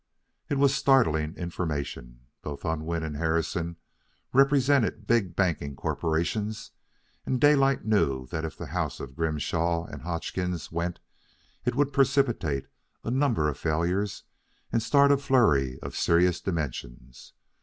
It was startling information. Both Unwin and Harrison represented big banking corporations, and Daylight knew that if the house of Grimshaw and Hodgkins went it would precipitate a number of failures and start a flurry of serious dimensions.